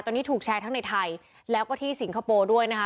ตอนนี้ถูกแชร์ทั้งในไทยแล้วก็ที่สิงคโปร์ด้วยนะคะ